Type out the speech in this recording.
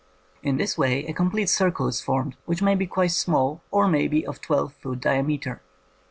In this way a complete circle is formed, which may be quite small or may be of twelve foot diameter.